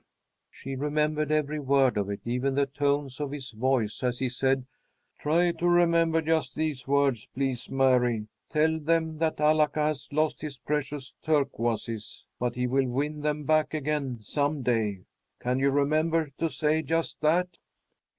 She remembered every word of it, even the tones of his voice as he said: "Try to remember just these words, please, Mary. Tell them that 'Alaka has lost his precious turquoises, but he will win them back again some day.' Can you remember to say just that?"